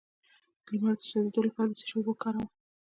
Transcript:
د لمر د سوځیدو لپاره د څه شي اوبه وکاروم؟